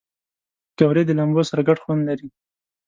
پکورې د لمبو سره ګډ خوند لري